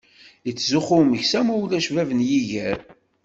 Ittzuxxu umeksa ma ulac bab n yiger.